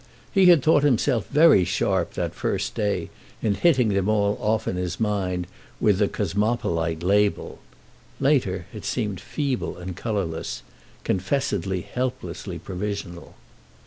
He had thought himself very sharp that first day in hitting them all off in his mind with the "cosmopolite" label. Later it seemed feeble and colourless—confessedly helplessly provisional.